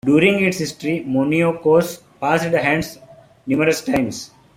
During its history, Monoikos passed hands numerous times.